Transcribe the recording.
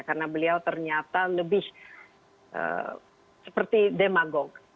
karena beliau ternyata lebih seperti demagog